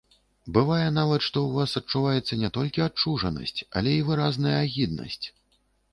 Бывае нават, што ў вас адчуваецца не толькі адчужанасць, але і выразная агіднасць.